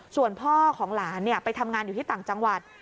ส่วนพ่อของหลานไปทำงานอยู่ที่ต่างจังหวัด